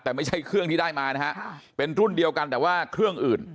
แต่ไม่ใช่เครื่องที่ได้มานะฮะเป็นรุ่นเดียวกันแต่ว่าเครื่องอื่น